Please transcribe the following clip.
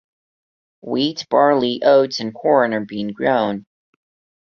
Wheat, barley, oats and corn are being grown.